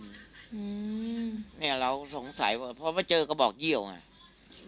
อื้อนี่เราสงสัยเพราะว่าเจอก็บอกเยี่ยวไง